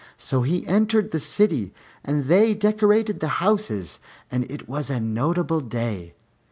So he entered the city, and they decorated the houses and it was a notable day.